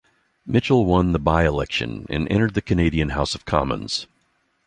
Mitchell won the by-election, and entered the Canadian House of Commons.